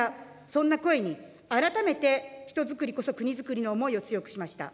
そんな声に改めて人づくりこそ国づくりの思いを強くしました。